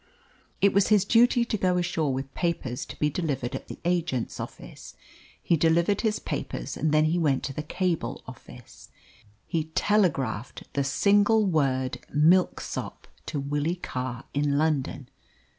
It was his duty to go ashore with papers to be delivered at the agent's office. He delivered his papers and then he went to the cable office. He telegraphed the single word "Milksop" to Willie Carr in London.